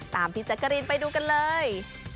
ตามพี่จักรีนไปดูกันเลย